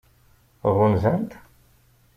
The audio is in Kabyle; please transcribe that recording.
Ɣunzan-t?